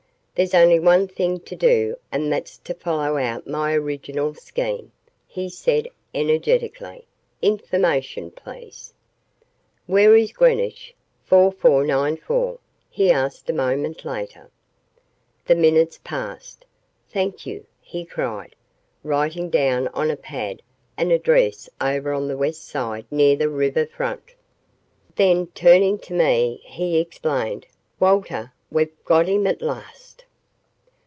"There's only one thing to do and that's to follow out my original scheme," he said energetically. "Information, please." "Where is Greenwich 4494?" he asked a moment later. The minutes passed. "Thank you," he cried, writing down on a pad an address over on the west side near the river front. Then turning to me he explained, "Walter, we've got him at last!"